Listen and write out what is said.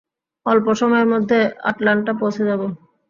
অল্প সময়ের মধ্যে আটলান্টা পৌঁছে যাবো।